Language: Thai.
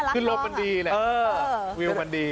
คือลมมันดีแหละวิวมันดี